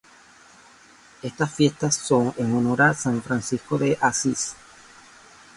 Estas fiestas son en honor a San Francisco de Asís